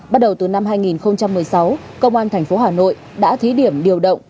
bắt đầu từ năm hai nghìn một mươi sáu công an thành phố hà nội đã thí điểm điều động